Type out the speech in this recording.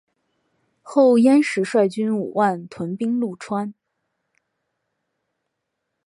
后燕时率军五万屯兵潞川。